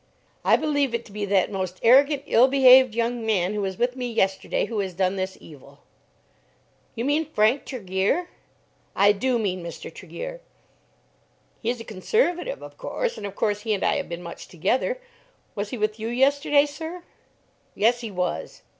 "I believe it to be that most arrogant ill behaved young man who was with me yesterday who has done this evil." "You mean Frank Tregear?" "I do mean Mr. Tregear." "He's a Conservative, of course; and of course he and I have been much together. Was he with you yesterday, sir?" "Yes, he was."